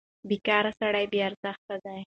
بېکاره سړی بې ارزښته دی.